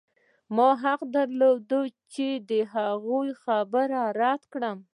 ما حق درلود چې د هغوی خبره رد کړم